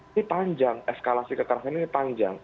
ini panjang eskalasi kekerasan ini panjang